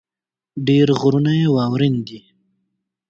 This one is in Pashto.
ډېر غرونه يې واؤرين دي ـ